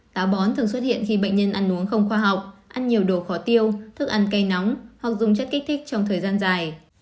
táo bón thường xuất hiện khi bệnh nhân ăn uống không khoa học ăn nhiều đồ khó tiêu thức ăn cây nóng hoặc dùng chất kích thích trong thời gian dài